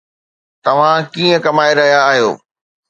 توهان ڪئين ڪمائي رهيا آهيو؟